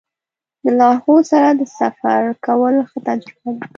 د لارښود سره سفر کول ښه تجربه ده.